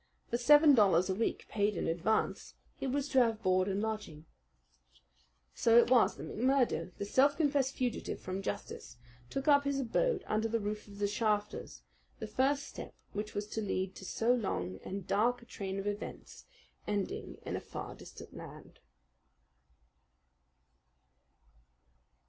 For seven dollars a week paid in advance he was to have board and lodging. So it was that McMurdo, the self confessed fugitive from justice, took up his abode under the roof of the Shafters, the first step which was to lead to so long and dark a train of events, ending in a far distant land.